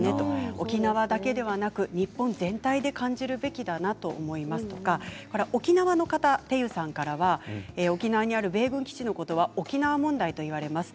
沖縄ではなく日本全体で感じるべきだなと思いますとか沖縄の方からは沖縄にある米軍基地のことは沖縄問題と言われます。